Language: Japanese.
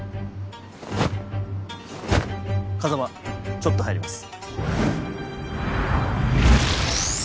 ちょっと入ります。